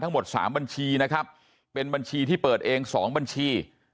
ทั้งหมด๓บัญชีนะครับเป็นบัญชีที่เปิดเอง๒บัญชี